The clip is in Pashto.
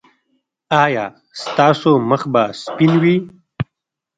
ایا ستاسو مخ به سپین وي؟